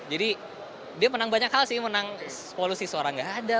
jadi dia menang banyak hal sih menang polusi suara nggak ada